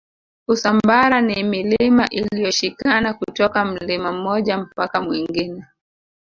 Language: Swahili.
usambara ni milima iliyoshikana kutoka mlima mmoja mpaka mwingine